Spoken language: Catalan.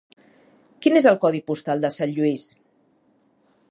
Quin és el codi postal de Sant Lluís?